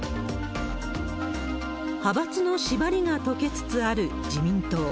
派閥の縛りが解けつつある自民党。